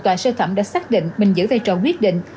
tòa sơ thẩm đã xác định mình giữ vai trò quyết định